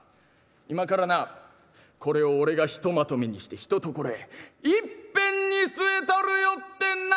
今からなこれを俺がひとまとめにしてひとところへいっぺんに据えたるよってんな」。